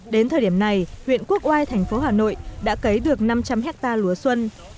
đến thời điểm này huyện quốc oai thành phố hà nội đã cấy được năm trăm linh hectare lúa xuân